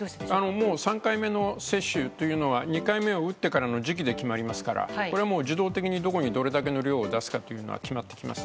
もう３回目の接種というのは２回目を打ってからの時期で決まりますから自動的に、どこにどれだけの量を出すかというのは決まってきます。